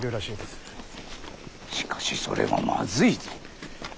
しかしそれはまずいぞ。